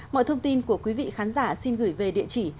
mọi thông tin của quý vị khán giả xin gửi về địa chỉ